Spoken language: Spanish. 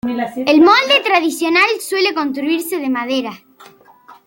El molde tradicional suele construirse de madera.